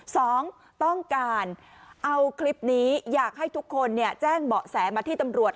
สองต้องการเอาคลิปนี้อยากให้ทุกคนแจ้งเบาะแสมาที่ตำรวจ